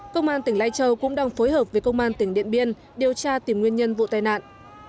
công an tỉnh lai châu cũng đang phối hợp với công an tỉnh điện biên điều tra tìm nguyên nhân vụ tai nạn